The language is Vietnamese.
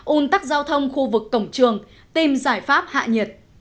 un tắc giao thông khu vực cổng trường tìm giải pháp hạ nhiệt